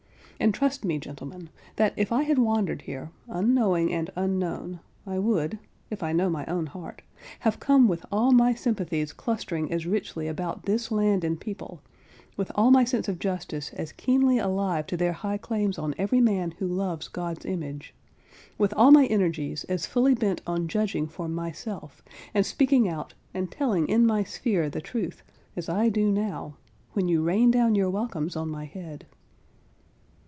And, trust me, gentlemen, that, if I had wandered here, unknowing and unknown, I would—if I know my own heart—have come with all my sympathies clustering as richly about this land and people—with all my sense of justice as keenly alive to their high claims on every man who loves God's image—with all my energies as fully bent on judging for myself, and speaking out, and telling in my sphere the truth, as I do now, when you rain down your welcomes on my head.